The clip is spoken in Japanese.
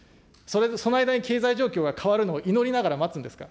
その間に経済状況が変わるのを祈りながら待つんですか。